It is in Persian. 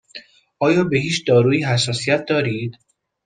آیا به هیچ دارویی حساسیت دارید؟